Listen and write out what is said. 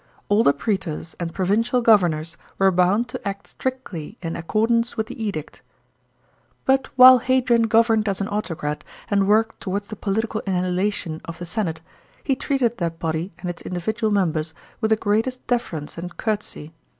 All the prsetors and provincial governors were bound to act strictly in acco dance with the Edict. § 24. But while Hadrian governed as an autocrat, and worked towards the political annihilation of the senate, he treated that body and its individual members with the greatest deference and courtesy.